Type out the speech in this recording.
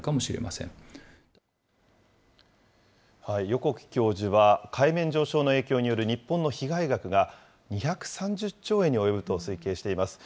横木教授は、海面上昇の影響による日本の被害額が、２３０兆円に及ぶと推計しています。